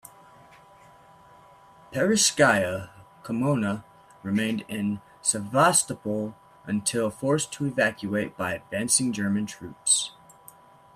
"Parizhskaya Kommuna" remained in Sevastopol until forced to evacuate by advancing German troops.